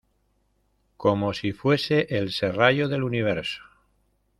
como si fuese el serrallo del Universo.